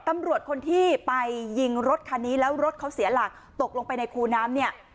ตำรวจคนที่ไปยิงรถคันนี้แล้วรถเขาเสียหลักตกลงไปในคูน้ำเนี่ย